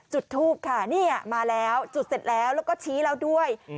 จุดทูปค่ะนี่มาแล้วจุดเสร็จแล้วแล้วก็ชี้แล้วด้วย